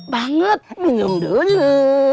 banget minum dulu